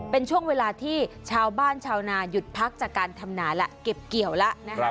เป็นช่วงเวลาที่ชาวบ้านชาวนาหยุดพักจากการทำนาแล้วเก็บเกี่ยวแล้วนะครับ